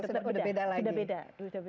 sudah beda lagi